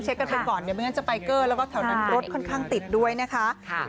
กันไปก่อนเดี๋ยวไม่งั้นจะไปเกอร์แล้วก็แถวนั้นรถค่อนข้างติดด้วยนะคะ